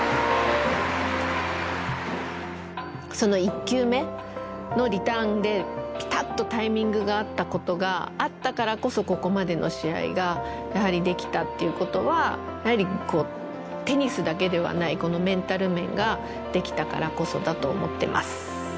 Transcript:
その１球目のリターンでピタッとタイミングが合ったことがあったからこそここまでの試合ができたっていうことはやはりテニスだけではないこのメンタル面ができたからこそだと思ってます。